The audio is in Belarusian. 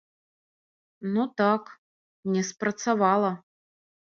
Ну так, не спрацавала.